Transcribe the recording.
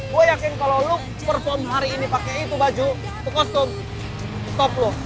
gue yakin kalo lu perform hari ini pake itu baju itu costume top lu